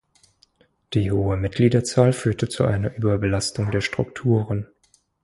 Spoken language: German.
Die hohe Mitgliederzahl führte zu einer Überbelastung der Strukturen.